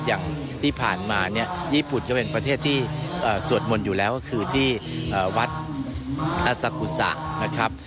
อย่างที่ผ่านมาเนี่ยญี่ปุ่นจะเป็นประเทศที่สวดมนต์อยู่แล้วก็คือที่วัดอซากุศะนะครับ